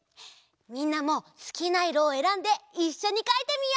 みんなもすきないろをえらんでいっしょにかいてみよう！